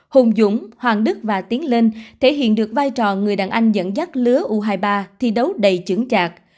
hùng dũng hoàng đức và tiến lên thể hiện được vai trò người đàn anh dẫn dắt lứa u hai mươi ba thi đấu đầy trưởng chạc